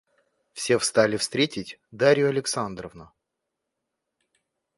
Все встали встретить Дарью Александровну.